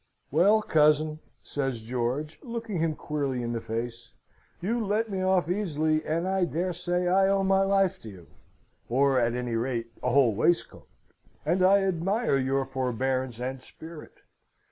"Well, cousin," says George, looking him queerly in the face, "you let me off easily, and I dare say I owe my life to you, or at any rate a whole waistcoat, and I admire your forbearance and spirit.